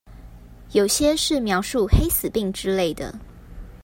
有些是描述黑死病之類的